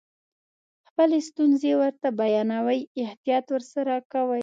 خپلې ستونزې ورته بیانوئ احتیاط ورسره کوئ.